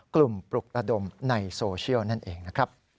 ปลุกระดมในโซเชียลนั่นเองนะครับ